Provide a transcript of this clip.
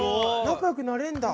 仲良くなれんだ！